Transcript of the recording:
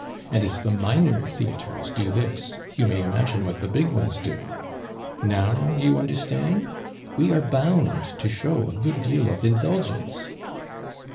And if the minor theatres do this, you may imagine what the big ones do! Now you understand? We are bound to show a good deal of indulgence."